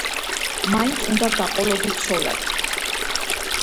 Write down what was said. მაინც უნდა გაყოლოდი ცოლად.